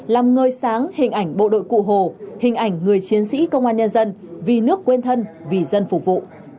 làm ngời sáng hình ảnh bộ đội cụ hồ hình ảnh người chiến sĩ công an nhân dân vì nước quên thân vì dân phục vụ